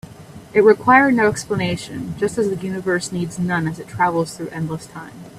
It required no explanation, just as the universe needs none as it travels through endless time.